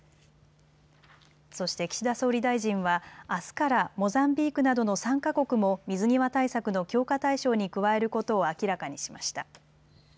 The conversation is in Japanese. そして岸田総理大臣は、あすからモザンビークなどの３か国も水際対策の強化対象に加えることを明らかにしました。